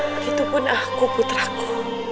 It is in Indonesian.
begitupun aku putraku